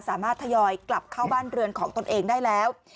ทยอยกลับเข้าบ้านเรือนของตนเองได้แล้ว